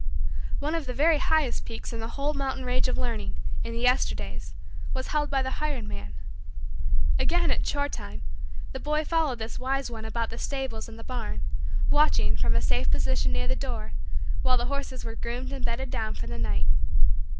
One of the very highest peaks in the whole mountain range of learning, in the Yesterdays, was held by the hired man. Again, at chore time, the boy followed this wise one about the stables and the barn, watching, from a safe position near the door, while the horses were groomed and bedded down for the night.